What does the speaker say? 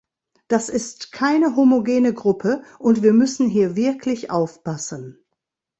Das ist keine homogene Gruppe, und wir müssen hier wirklich aufpassen.